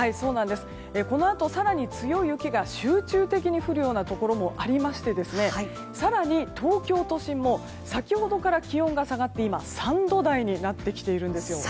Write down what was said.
このあと更に強い雪が集中的に降るようなところもありまして更に、東京都心も先ほどから気温が下がって今、３度台になってきているんですよ。